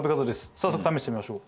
早速試してみましょう。